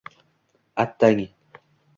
Аttang.